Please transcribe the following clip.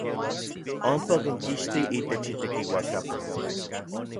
Ompa okinkixtij itech itekiuakapan.